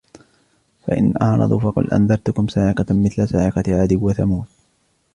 فإن أعرضوا فقل أنذرتكم صاعقة مثل صاعقة عاد وثمود